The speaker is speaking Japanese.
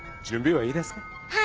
はい。